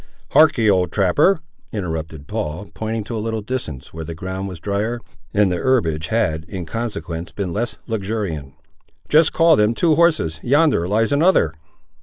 "Harkee, old trapper," interrupted Paul, pointing to a little distance, where the ground was drier, and the herbage had, in consequence, been less luxuriant; "just call them two horses. Yonder lies another."